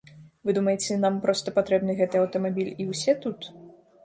Вы думаеце, нам проста патрэбны гэты аўтамабіль і ўсе тут?